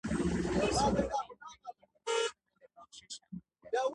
یو سل او یو نوي یمه پوښتنه د بخشش آمر دی.